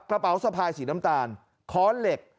กระเป๋าสะพายสีน้ำตาลค้อนเหล็ก